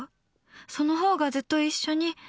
そのほうがずっと一緒に。